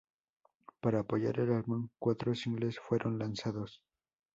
Para apoyar el álbum, cuatro singles fueron lanzados.